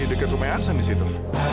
di dekat rumah aksan disitu